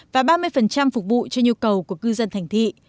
và ba mươi phục vụ cho nhu cầu của cư dân thành thị